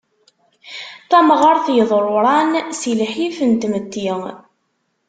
Tamɣart yeḍruran si lḥif n tmetti.